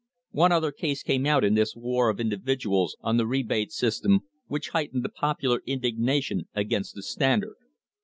One other case came out in this war of individuals on the rebate system which heightened the popular indignation against the Standard.